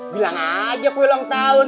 bilang aja aku ulang tahun